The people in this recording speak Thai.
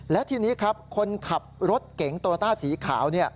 แล้วทีนี้ครับคนขับรถเก๋งโตต้าสีขาว